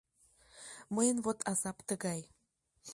Мыйын вот азап тыгай.